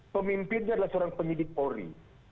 pemimpinnya adalah seorang penyidik polri